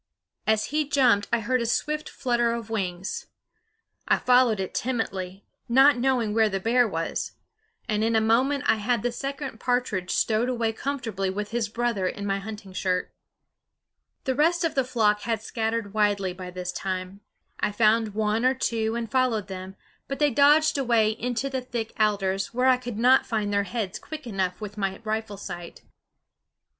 As he jumped I heard a swift flutter of wings. I followed it timidly, not knowing where the bear was, and in a moment I had the second partridge stowed away comfortably with his brother in my hunting shirt. The rest of the flock had scattered widely by this time. I found one or two and followed them; but they dodged away into the thick alders, where I could not find their heads quick enough with my rifle sight.